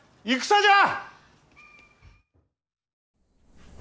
戦じゃ！